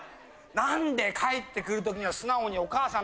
何で帰ってくるとき素直に「お母さん。